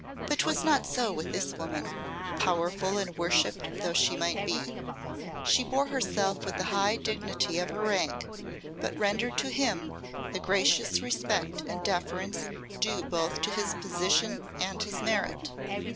But 'twas not so with this woman, powerful and worshipped though she might be. She bore herself with the high dignity of her rank, but rendered to him the gracious respect and deference due both to his position and his merit.